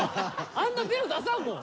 あんなベロ出さんもん。